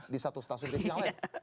di satu stasiun tv yang lain